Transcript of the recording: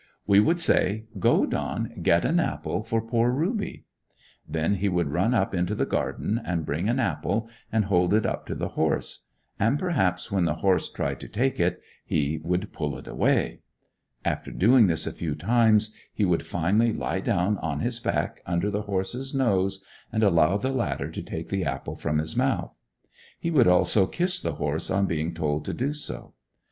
We would say, "Go, Don, get an apple for poor Ruby;" then he would run up into the garden, and bring an apple, and hold it up to the horse; and perhaps when the horse tried to take it he would pull it away. After doing this a few times, he would finally lie down on his back under the horse's nose, and allow the latter to take the apple from his mouth. He would also kiss the horse, on being told to do so.